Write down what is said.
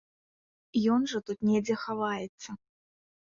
Ён жа тут недзе хаваецца.